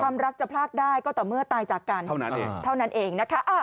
ความรักจะพลาดได้ก็ต่อเมื่อตายจากกันเท่านั้นเอง